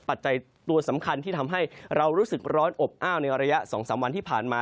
ปัจจัยตัวสำคัญที่ทำให้เรารู้สึกร้อนอบอ้าวในระยะ๒๓วันที่ผ่านมา